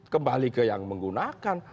kembali ke yang menggunakan